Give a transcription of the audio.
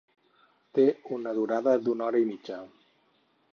Té una durada d'una hora i mitja.